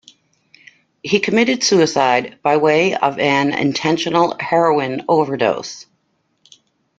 He committed suicide by way of an intentional heroin overdose.